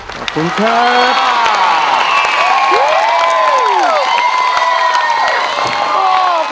ขอบคุณครับ